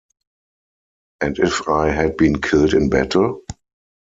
And if I had been killed in battle?